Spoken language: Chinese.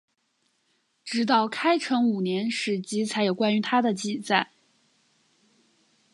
直到开成五年史籍才有关于他的记载。